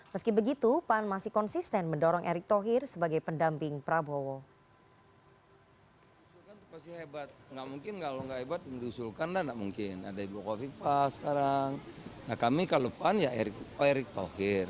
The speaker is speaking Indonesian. meski begitu pan masih konsisten mendorong erick thohir sebagai pendamping prabowo